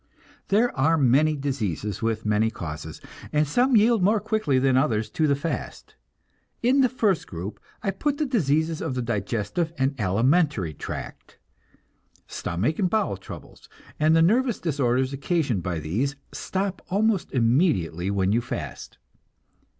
There are many diseases with many causes, and some yield more quickly than others to the fast. In the first group I put the diseases of the digestive and alimentary tract. Stomach and bowel troubles, and the nervous disorders occasioned by these, stop almost immediately when you fast.